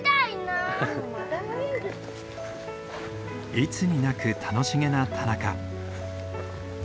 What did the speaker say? いつになく楽しげな田中。